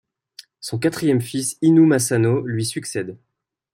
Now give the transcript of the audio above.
Son quatrième fils Inoue Masanao lui succède.